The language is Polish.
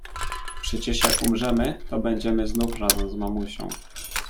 "Przecież jak umrzemy, to będziemy znów razem z mamusią."